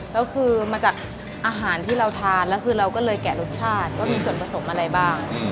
ก็คือมาจากอาหารที่เราทานแล้วคือเราก็เลยแกะรสชาติว่ามีส่วนผสมอะไรบ้าง